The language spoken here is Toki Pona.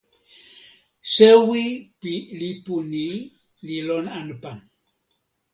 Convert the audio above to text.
sewi pi lipu ni li lon anpa.